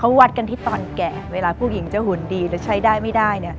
ก็วัดกันที่ตอนแก่เวลาผู้หญิงจะหุ่นดีและใช้ได้ไม่ได้